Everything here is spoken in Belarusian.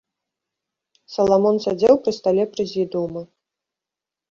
Саламон сядзеў пры стале прэзідыума.